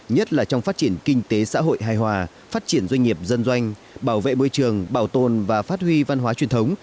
nhất là trong phát triển kinh tế xã hội hài hòa phát triển doanh nghiệp dân doanh bảo vệ môi trường bảo tồn và phát huy văn hóa truyền thống